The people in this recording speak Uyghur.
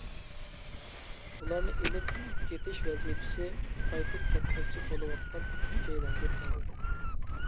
ئۇلارنى ئېلىپ كېتىش ۋەزىپىسى قايتىپ كەتمەكچى بولۇۋاتقان ئۈچەيلەنگە تېڭىلدى.